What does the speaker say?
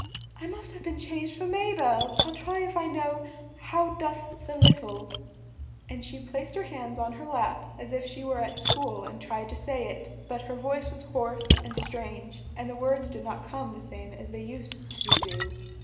I must have been changed for Ma bel! I'll try if I know 'How doth the lit tle '" and she placed her hands on her lap, as if she were at school and tried to say it, but her voice was hoarse and strange and the words did not come the same as they used to do.